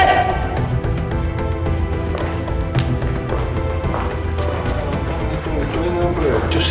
ini temen temennya kenapa lewat cuci